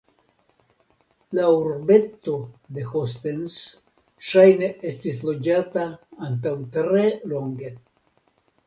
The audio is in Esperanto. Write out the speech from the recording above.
La urbeto de Hostens ŝajne estis loĝata antaŭ tre longe.